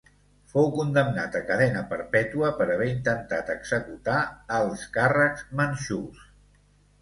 Fou condemnat a cadena perpètua per haver intentat executar alts càrrecs manxús.